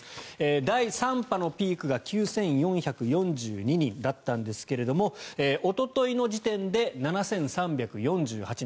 第３波のピークが９４４２人だったんですがおとといの時点で７３４８人。